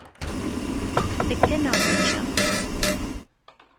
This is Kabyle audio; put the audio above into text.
Akka neɣ mačči?